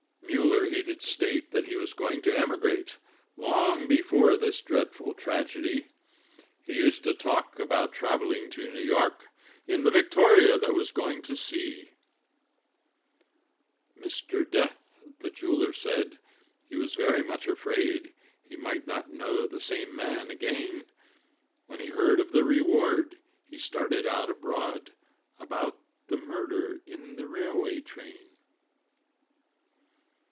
Muller he did state that he was going to emigrate Long before this dreadful tragedy; He often used to talk, about travelling to New York, In the Victoria, that was going to sea. Mr. Death, the jeweller, said, he was very much afraid, He might not know the same man again, When he heard of the reward, he started out abroad, About the murder in the railway train.